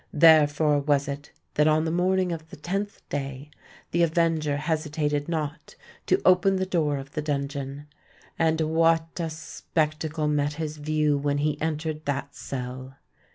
Therefore was it that on the morning of the tenth day, the avenger hesitated not to open the door of the dungeon. And what a spectacle met his view when he entered that cell!